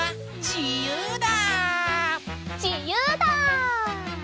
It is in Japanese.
じゆうだ！